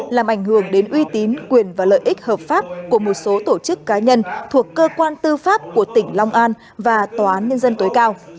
làm ảnh hưởng đến uy tín quyền và lợi ích hợp pháp của một số tổ chức cá nhân thuộc cơ quan tư pháp của tỉnh long an và tòa án nhân dân tối cao